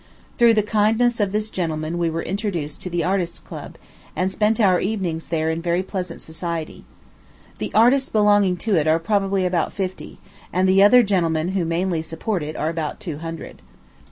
Through the kindness of this gentleman we were introduced to the Artists' Club, and spent our evenings there in very pleasant society. The artists belonging to it are probably about fifty, and the other gentlemen who mainly support it are about two hundred.